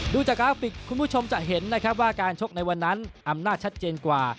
ดูจากกราฟิกคุณผู้ชมจะเห็นนะครับว่าการชกในวันนั้นอำนาจชัดเจนกว่า